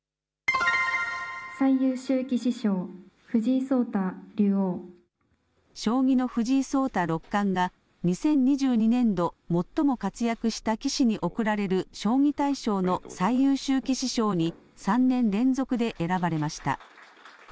最優秀棋士賞、将棋の藤井聡太六冠が、２０２２年度最も活躍した棋士に贈られる将棋大賞の最優秀棋士賞に３年連続で選ばれました。